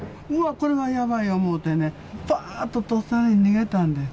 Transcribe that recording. これはやばい思うてね、ばーっととっさに逃げたんです。